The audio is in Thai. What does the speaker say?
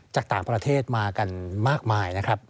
จากต่างประเทศมากันมากมายนะครับ